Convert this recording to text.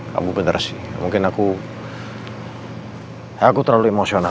kamu bener sih mungkin aku terlalu emosional